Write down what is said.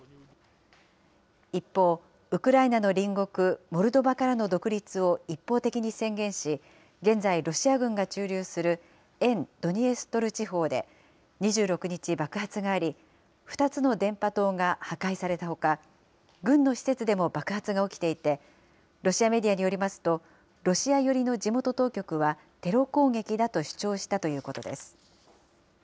一方、ウクライナの隣国モルドバからの独立を一方的に宣言し、現在ロシア軍が駐留する沿ドニエストル地方で、２６日爆発があり、２つの電波塔が破壊されたほか、軍の施設でも爆発が起きていて、ロシアメディアによりますと、ロシア寄りの地元当局はテロ攻撃だと主張したということです。